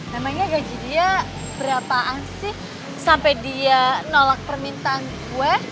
memangnya gaji dia berapaan sih sampai dia nolak permintaan gue